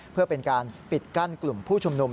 เพื่อเป็นการปิดกั้นกลุ่มผู้ชุมนุม